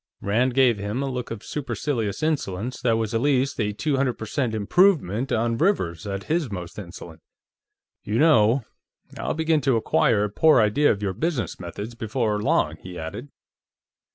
Rand gave him a look of supercilious insolence that was at least a two hundred per cent improvement on Rivers at his most insolent. "You know, I'll begin to acquire a poor idea of your business methods before long," he added.